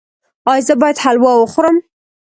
ایا زه باید حلوا وخورم؟